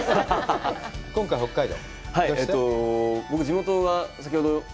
今回は北海道。